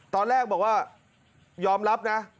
ตอนแรกบอกว่ายอมรับนะ